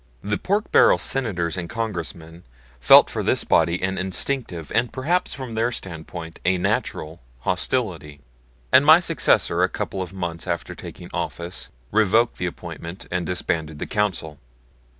The "pork barrel" Senators and Congressmen felt for this body an instinctive, and perhaps from their standpoint a natural, hostility; and my successor a couple of months after taking office revoked the appointment and disbanded the Council.